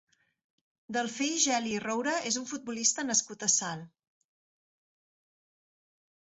Delfí Geli i Roura és un futbolista nascut a Salt.